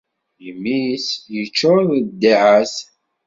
Imi-s iččur d ddeɛɛat.